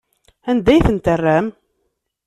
Anda ay ten-terramt?